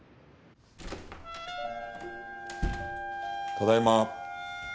ただいま。